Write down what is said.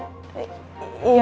kamu mau ngobrol terus ya